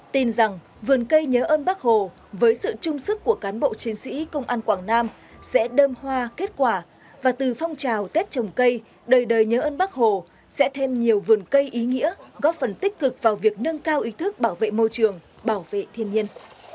tin rằng vườn cây nhớ ơn bác hồ với sự trung sức của cán bộ chiến sĩ công an quảng nam sẽ đơm hoa kết quả và từ phong trào tết trồng cây đời đời nhớ ơn bác hồ sẽ thêm nhiều vườn cây ý nghĩa góp phần tích cực vào việc nâng cao ý thức bảo vệ môi trường bảo vệ thiên nhiên